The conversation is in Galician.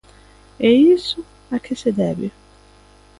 E iso ¿a que se debe?